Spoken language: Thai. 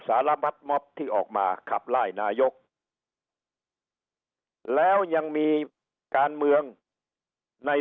สารพัดม็อบที่ออกมาขับไล่นายกแล้วยังมีการเมืองใน